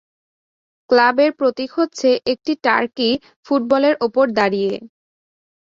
ক্লাবের প্রতীক হচ্ছে একটি টার্কি ফুটবলের ওপর দাঁড়িয়ে।